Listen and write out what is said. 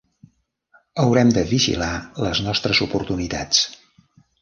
Haurem de vigilar les nostres oportunitats.